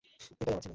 এটাই আমার ছেলে!